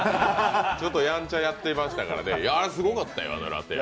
ちょっとやんちゃやってましたからね、すごかったよ、あのラテは。